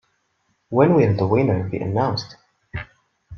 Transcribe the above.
When will the winner be announced?